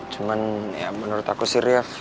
cuman ya menurut aku sih real